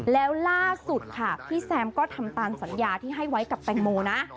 แล้วล่าสุดค่ะพี่แซมก็ทำตามสัญญาที่ให้ไว้กับแตงโมนะ